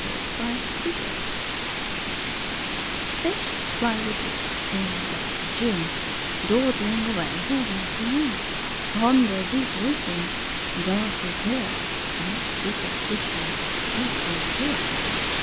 Mataiea, 1914 Heaven Fish (fly replete, in depth of June, Dawdling away their wat'ry noon) Ponder deep wisdom, dark or clear, Each secret fishy hope or fear.